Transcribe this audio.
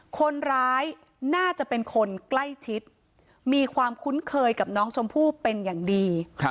คนร้ายน่าจะเป็นคนใกล้ชิดมีความคุ้นเคยกับน้องชมพู่เป็นอย่างดี